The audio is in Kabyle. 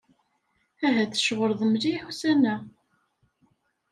Ahat tceɣleḍ mliḥ ussan-a.